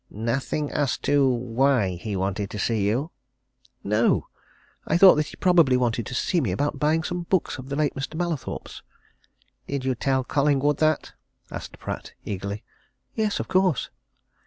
"Nothing as to why he wanted to see you?" "No! I thought that he probably wanted to see me about buying some books of the late Mr. Mallathorpe's." "Did you tell Collingwood that?" asked Pratt, eagerly. "Yes of course."